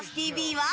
は。